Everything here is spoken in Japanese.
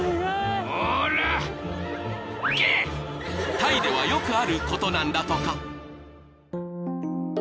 ［タイではよくあることなんだとか］